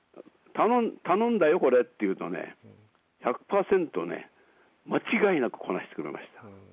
頼んだよ、これって言うとね、１００％ね、間違いなくこなしてくれました。